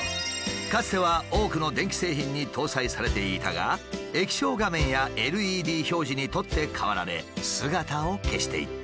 かつては多くの電気製品に搭載されていたが液晶画面やＬＥＤ表示に取って代わられ姿を消していった。